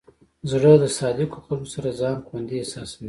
زړه د صادقو خلکو سره ځان خوندي احساسوي.